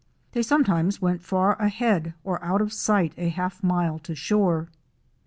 They sometimes went far ahead or out of sight a half mile to shore.